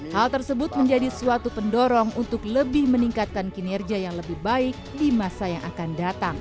hal tersebut menjadi suatu pendorong untuk lebih meningkatkan kinerja yang lebih baik di masa yang akan datang